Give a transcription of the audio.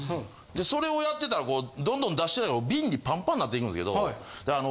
それをやってたらどんどん出してたら瓶にパンパンになっていくんですけどだからあの。